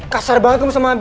kasar banget kamu sama abi